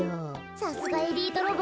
さすがエリートロボ。